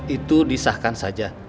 itu disahkan saja